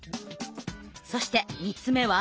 そして３つ目は。